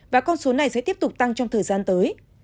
và con số này sẽ tiếp tục tăng trong thời gian tới